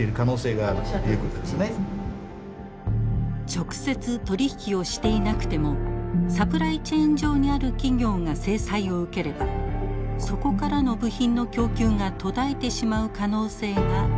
直接取り引きをしていなくてもサプライチェーン上にある企業が制裁を受ければそこからの部品の供給が途絶えてしまう可能性が浮き彫りになりました。